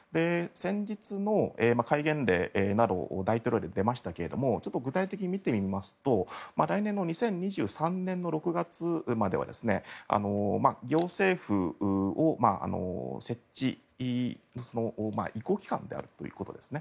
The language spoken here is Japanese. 先日の戒厳令など大統領令出ましたが具体的に見てみますと来年の２０２３年６月までは行政府を設置移行期間であるということです。